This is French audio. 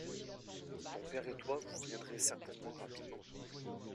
Ton père et toi, vous viendrez certainement rapidement.